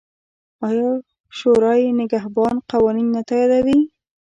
آیا شورای نګهبان قوانین نه تاییدوي؟